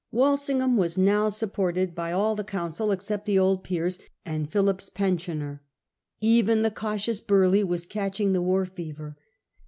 Walsingham was now supported by all 4 56 SIR FRANCIS DRAKE chap. the Council except the old peers and Philip's pensioner. Even the cautious Burleigh was catching the war fever.